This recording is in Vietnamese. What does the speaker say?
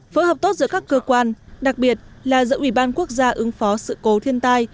phối hợp tốt giữa các cơ quan đặc biệt là giữa ủy ban quốc gia ứng phó sự cố thiên tai